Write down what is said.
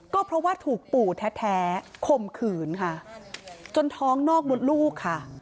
ก็เพราะว่าถูกปู่แท้ข่มขืนค่ะจนท้องนอกมดลูกค่ะ